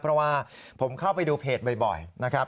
เพราะว่าผมเข้าไปดูเพจบ่อยนะครับ